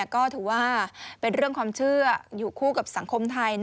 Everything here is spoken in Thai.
ก็ถือว่าเป็นเรื่องความเชื่ออยู่คู่กับสังคมไทย